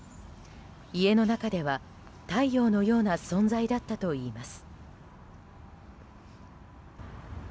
家の中では太陽のような存在だったといいます。